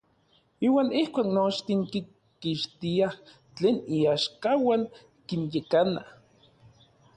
Iuan ijkuak nochtin kinkixtia tlen iaxkauan, kinyekana.